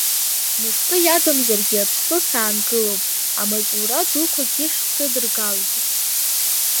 Мышкы иадамзаргьы Аԥсны саангылом, амаҵура дуқәагьы шсыдыргалогьы.